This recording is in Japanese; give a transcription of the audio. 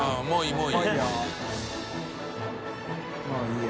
もういいよ。